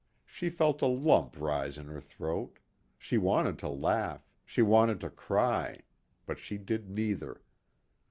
She felt a lump rise in her throat; she wanted to laugh, she wanted to cry; but she did neither.